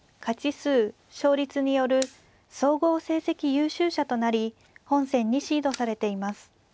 勝率による総合成績優秀者となり本戦にシードされています。